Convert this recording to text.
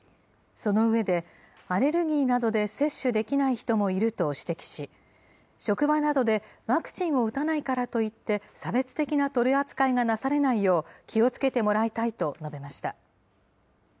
その上で、アレルギーなどで接種できない人もいると指摘し、職場などでワクチンを打たないからといって、差別的な取り扱いがなされないよう、気をつけてもらいたいと述べました。